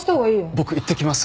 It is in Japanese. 僕行ってきます。